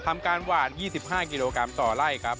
ทำการหวาน๒๕กิโลกรัมต่อไล่ครับ